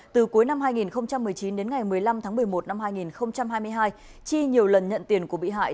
từ cuối năm hai nghìn một mươi chín đến ngày một mươi năm tháng một mươi một năm hai nghìn hai mươi hai chi nhiều lần nhận tiền của bị hại